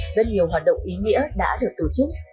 rất nhiều hoạt động ý nghĩa đã được tổ chức